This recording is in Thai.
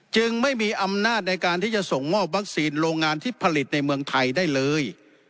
จึงไม่มีอำนาจในการที่จะส่งมอบวัคซีนโรงงานที่ผลิตในเมืองไทยได้เลย